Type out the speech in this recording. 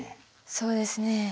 そうですね